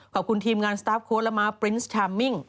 ขอบคุณทีมงานสตาร์ฟโค้ดและม้าปรินส์ชามมิ่ง